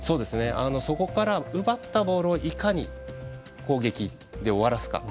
そこから奪ったボールをいかに攻撃で終わらせるか。